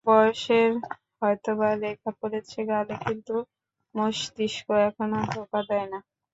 বয়সের হয়তোবা রেখা পড়েছে গালে, কিন্তু মস্তিষ্ক এখনো ধোঁকা দেয় না।